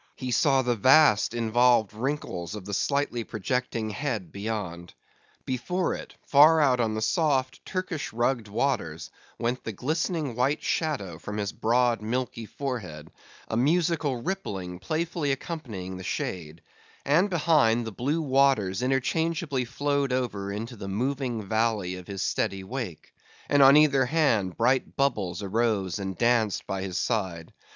He saw the vast, involved wrinkles of the slightly projecting head beyond. Before it, far out on the soft Turkish rugged waters, went the glistening white shadow from his broad, milky forehead, a musical rippling playfully accompanying the shade; and behind, the blue waters interchangeably flowed over into the moving valley of his steady wake; and on either hand bright bubbles arose and danced by his side.